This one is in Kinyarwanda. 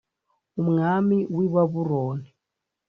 umwami w i babuloni